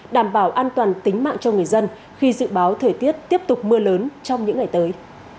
đảm bảo an toàn tính mạng cho người dân khi dự báo thời tiết tiếp tục mưa lớn trong những ngày tới